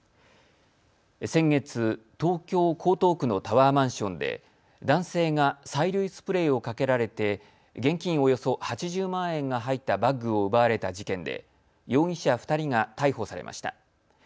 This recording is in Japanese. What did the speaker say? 先月、東京江東区のタワーマンションで男性が催涙スプレーをかけられて現金およそ８０万円が入ったバッグを奪われた事件で容疑者２人が逮捕されました。